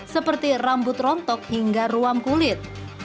seperti rambut rontok hingga ruam kulit